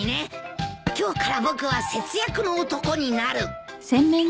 今日から僕は節約の男になる！